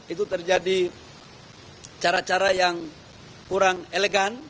itu terjadi cara cara yang kurang elegan